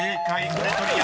「プレトリア」